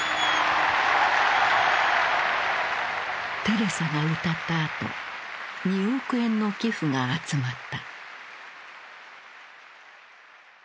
テレサが歌ったあと２億円の寄付が集まった。